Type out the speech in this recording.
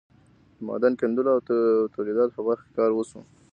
د معدن کیندلو او تولیداتو په برخه کې کار وشو.